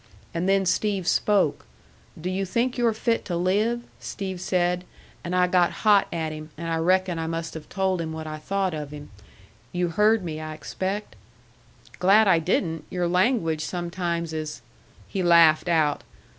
And then Steve spoke. 'Do you think you're fit to live?' Steve said; and I got hot at him, and I reckon I must have told him what I thought of him. You heard me, I expect?" "Glad I didn't. Your language sometimes is " He laughed out.